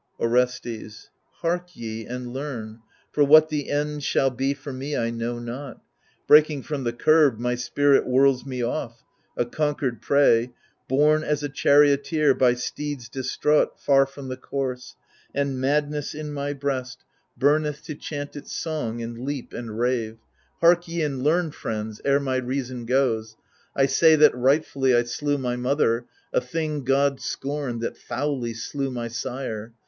Orestes Hark ye and learn — for what the end shall be For me I know not ; breaking from the curb My spirit whirls me off, a conquered prey, Borne as a charioteer by steeds distraught Far from the course, and madness in my breast THE LIBATION BEARERS 129 Burneth to chant its song, and leap, and rave — Hark ye and learn, friends, ere my reason goes ! I say that rightfully I slew my mother, A thing God scorned, that foully slew my sire.